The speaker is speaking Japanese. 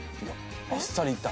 あっさりいった。